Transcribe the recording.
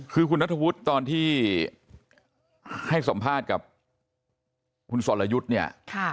คือคุณนัทธวุฒิตอนที่ให้สัมภาษณ์กับคุณสรยุทธ์เนี่ย